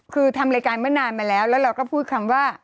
คือทำรายการเมื่อนานมาแล้วแล้วเราก็พูดคำว่า